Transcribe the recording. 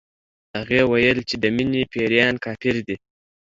هغې ويل چې د مينې پيريان کافر دي